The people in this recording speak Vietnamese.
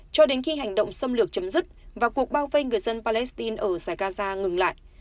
cho đến khi hành động xâm lược chấm dứt và cuộc bao vây người dân palestine ở giải gaza ngừng lại